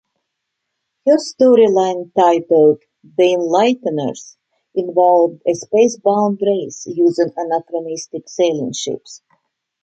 Her storyline, titled "The Enlighteners", involved a space-bound race using anachronistic sailing ships.